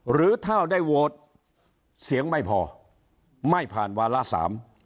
หรือถ้าได้โหวตเสียงไม่พอไม่ผ่านวาระสาม